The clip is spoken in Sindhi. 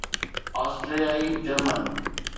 آسٽريائي جرمن